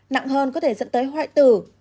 nặng hơn có thể dẫn tới hoại tử